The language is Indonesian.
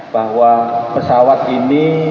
bahwa pesawat ini